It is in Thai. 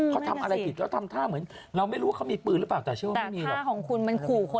เขาทำอะไรผิดเขาทำท่าเหมือนเราไม่รู้ว่าเขามีปืนหรือเปล่าแต่เชื่อว่าไม่มีหรอก